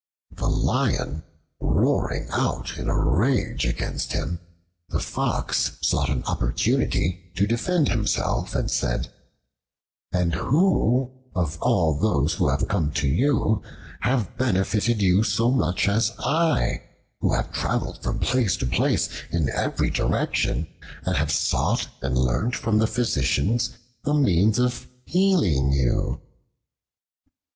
The Lion roaring out in a rage against him, the Fox sought an opportunity to defend himself and said, "And who of all those who have come to you have benefited you so much as I, who have traveled from place to place in every direction, and have sought and learnt from the physicians the means of healing you?"